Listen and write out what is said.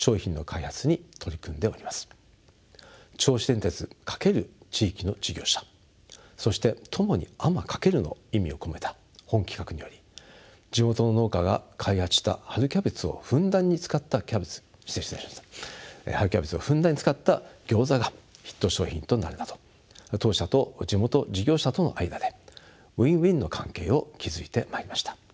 銚子電鉄×地域の事業者そして共に天翔けるの意味を込めた本企画により地元の農家が開発した春キャベツをふんだんに使ったギョーザがヒット商品となるなど当社と地元事業者との間でｗｉｎーｗｉｎの関係を築いてまいりました。